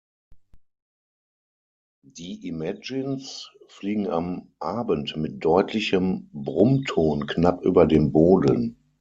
Die Imagines fliegen am Abend mit deutlichem Brummton knapp über dem Boden.